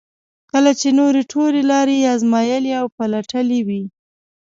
کله چې نورې ټولې لارې یې ازمایلې او پلټلې وي.